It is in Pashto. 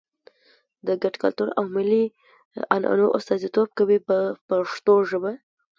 د ګډ کلتور او ملي عنعنو استازیتوب کوي په پښتو ژبه.